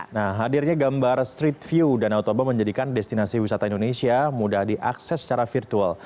nah hadirnya gambar street view danau toba menjadikan destinasi wisata indonesia mudah diakses secara virtual